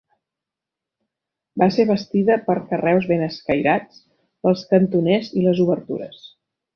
Va ser bastida amb carreus ben escairats pels cantoners i les obertures.